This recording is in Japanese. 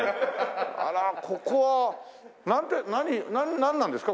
あらここはなんて何なんなんですか？